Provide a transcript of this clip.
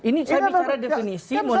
ini saya bicara definisi menurut undang undang